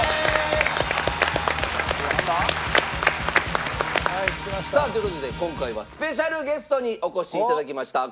さあという事で今回はスペシャルゲストにお越しいただきました。